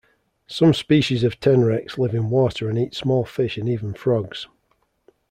Some species of tenrecs live in water and eat small fish and even frogs.